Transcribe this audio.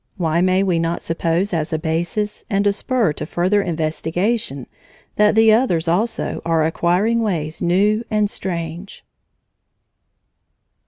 Why may we not suppose as a basis and a spur to further investigation that the others also are acquiring ways new and strange?